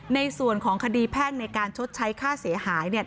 ในส่วนของคดีแพ่งในการชดใช้ค่าเสียหายเนี่ย